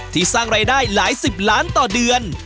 สร้างรายได้หลายสิบล้านต่อเดือน